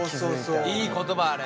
いい言葉あれ。